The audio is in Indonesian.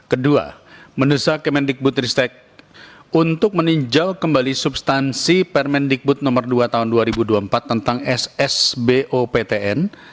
dua mendesak kementerian kementerian kementerian tristek ri untuk meninjau kembali substansi permendikbud no dua tahun dua ribu dua puluh empat tentang ssboptn